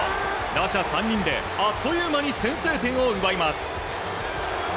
打者３人であっという間に先制点を奪います。